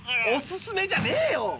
おすすめじゃねえよ。